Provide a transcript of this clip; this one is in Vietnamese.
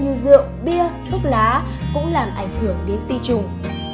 như rượu bia thuốc lá cũng làm ảnh hưởng đến ti trùng